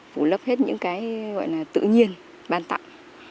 phủ lấp hết những cái gọi là tự nhiên ban tặng